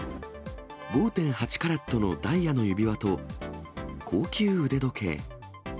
５．８カラットのダイヤの指輪と、高級腕時計。